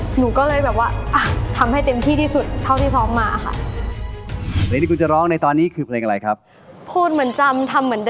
หนูก็เลยแบบว่าทำให้เต็มที่ที่สุดเท่าที่ซ้อมมาค่ะ